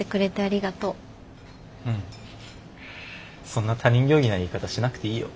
そんな他人行儀な言い方しなくていいよ。